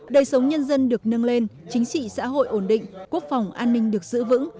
đời sống nhân dân được nâng lên chính trị xã hội ổn định quốc phòng an ninh được giữ vững